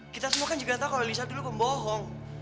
kita semua kan juga tahu kalau alisa dulu pembohong